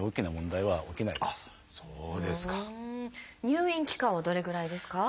入院期間はどれぐらいですか？